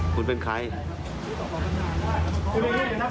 คุณเป็นใคร